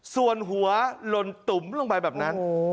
ส่วนหัวหล่นตุ๋มลงไปแบบนั้น